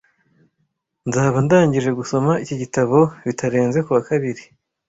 Nzaba ndangije gusoma iki gitabo bitarenze kuwa kabiri.